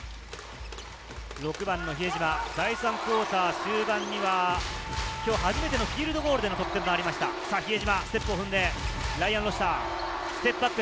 第３クオーター終盤には、今日初めてのフィールドゴールでの得点がありました、比江島。